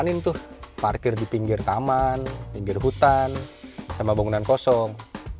jalanin tuh parkir di pinggir taman pinggir hutan sama bangunan kosong